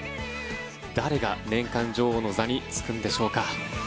誰が年間女王の座に就くんでしょうか。